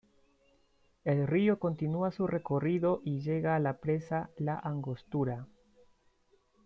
El río continúa su recorrido y llega a la Presa La Angostura.